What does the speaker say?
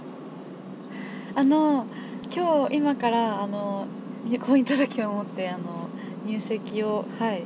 あの今日今から婚姻届を持って入籍をはいします。